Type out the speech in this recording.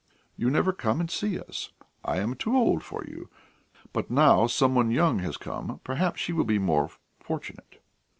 You never come and see us; I am too old for you. But now some one young has come; perhaps she will be more fortunate."